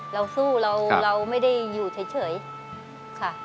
เราสู้เราไม่ได้อยู่เฉยค่ะ